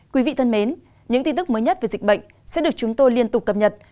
quý vị thân mến những tin tức mới nhất về dịch bệnh sẽ được chúng tôi liên tục cập nhật